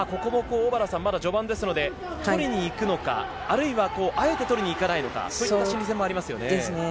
小原さん、序盤ですので取りに行くのか、あるいはあえて取りに行かないのか、こういう心理戦もありますね。